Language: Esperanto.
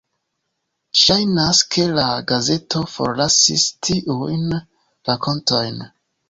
Ŝajnas ke la gazeto forlasis tiujn rakontojn.